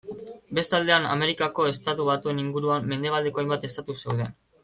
Beste aldean Amerikako Estatu Batuen inguruan mendebaldeko hainbat estatu zeuden.